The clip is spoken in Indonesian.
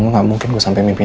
jangan kemana mana ya